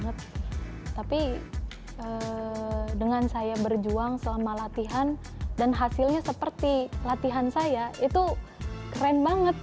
hai tapi he dengan saya berjuang selama latihan dan hasilnya seperti latihan saya itu keren banget